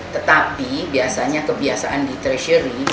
tetapi biasanya kebiasaan di treasury